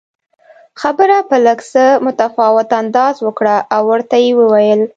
خبره په لږ څه متفاوت انداز وکړه او ورته ویې ویل